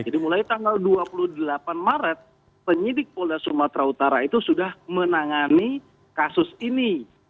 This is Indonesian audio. jadi mulai tanggal dua puluh delapan maret penyidik polda sumatera utara itu sudah menangani kasus ini